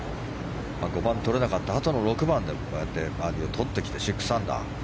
５番、とれなかったあとの６番でこうやってバーディーをとってきて、６アンダー。